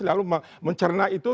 lalu mencerna itu